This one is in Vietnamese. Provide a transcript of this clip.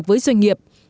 với doanh nghiệp